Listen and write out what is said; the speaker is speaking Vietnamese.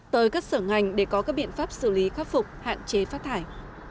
tới các sở ngành để có các biện pháp xử lý khắc phục hạn chế phát thải